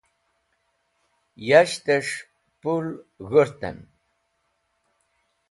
Yashtẽs̃h pul g̃hũrtẽn.